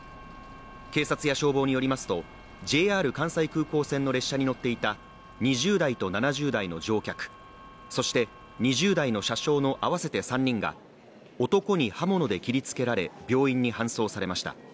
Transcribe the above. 警察や消防によりますと、ＪＲ関西空港線の列車に乗っていた２０代と７０代の乗客、そして２０代の車掌の合わせて３人が男に刃物で切りつけられ病院に搬送されました。